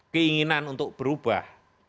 keinginan untuk berubah